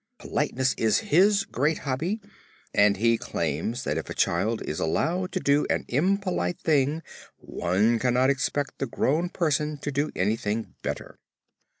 Politeness is his great hobby, and he claims that if a child is allowed to do an impolite thing one cannot expect the grown person to do anything better."